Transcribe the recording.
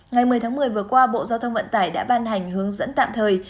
ngày một mươi tháng một mươi vừa qua bộ giao thông vận tải đã ban hành hướng dẫn tạm thời